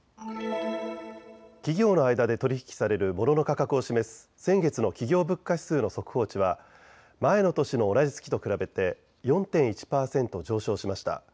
企業の間で取り引きされるモノの価格を示す先月の企業物価指数の速報値は前の年の同じ月と比べて４．１％上昇しました。